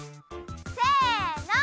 せの！